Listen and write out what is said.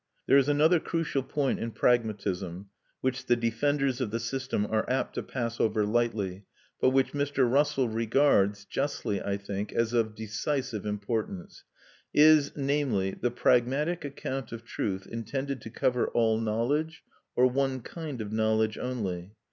There is another crucial point in pragmatism which the defenders of the system are apt to pass over lightly, but which Mr. Russell regards (justly, I think) as of decisive importance. Is, namely, the pragmatic account of truth intended to cover all knowledge, or one kind of knowledge only?